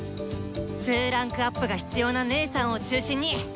２ランクアップが必要な姐さんを中心に！